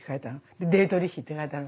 でディートリヒって書いたの。